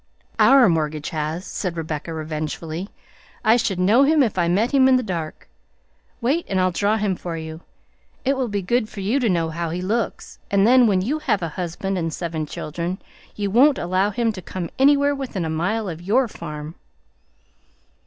"Our mortgage has," said Rebecca revengefully. "I should know him if I met him in the dark. Wait and I'll draw him for you. It will be good for you to know how he looks, and then when you have a husband and seven children, you won't allow him to come anywhere within a mile of your farm."